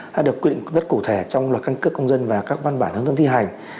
đã được quy định rất cụ thể trong luật căn cước công dân và các văn bản hướng dẫn thi hành